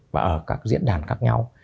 và ở các diễn đàn khác nhau